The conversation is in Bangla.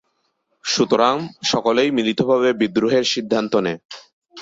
সুতরাং সকলেই মিলিতভাবে বিদ্রোহের সিদ্ধান্ত নেয়।